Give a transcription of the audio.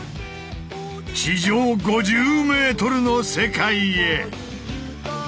地上５０ｍの世界へ！